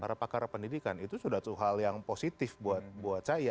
para pakar pendidikan itu sudah hal yang positif buat saya